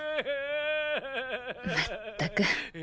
まったく。